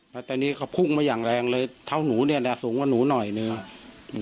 แล้วตอนนี้เขาพุ่งมาอย่างแรงเลยเท่าหนูเนี่ยแหละสูงกว่าหนูหน่อยหนึ่ง